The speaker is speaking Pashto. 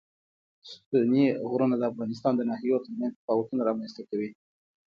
ستوني غرونه د افغانستان د ناحیو ترمنځ تفاوتونه رامنځ ته کوي.